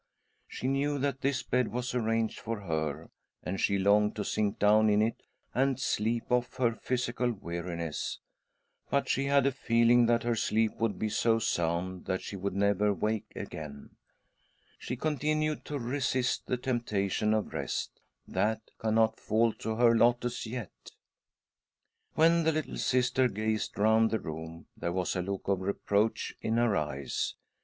She knew that this bed was arranged for her, and she longed ioa '■ 'I I I M» SISTER EDITH PLEADS WITH DEATH 103 to sink down in it and sleep off her physical weari ness ; but she had a feeling that her sleep would be so sound that she would never wake again. She continued to resist the temptation of rest — that cannot fall to her lot as yet. When the little Sister gazed round the room, there was a look of reproach in her eyes.